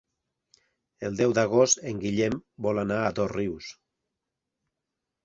El deu d'agost en Guillem vol anar a Dosrius.